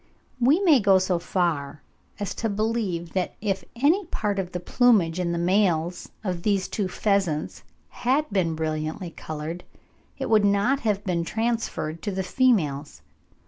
We may go so far as to believe that if any part of the plumage in the males of these two pheasants had been brilliantly coloured, it would not have been transferred to the females.